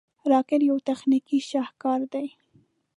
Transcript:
راکټ یو تخنیکي شاهکار دی